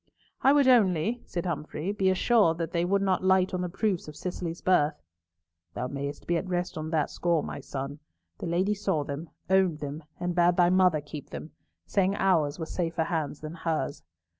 "I would only," said Humfrey, "be assured that they would not light on the proofs of Cicely's birth." "Thou mayst be at rest on that score, my son. The Lady saw them, owned them, and bade thy mother keep them, saying ours were safer hands than hers.